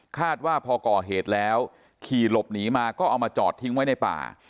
คาดว่าพอก่อเหตุแล้วขี่หลบหนีมาก็เอามาจอดทิ้งไว้ในป่า